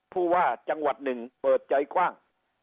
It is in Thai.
ผู้ว่าจังหวัดหนึ่งเปิดใจกว้าง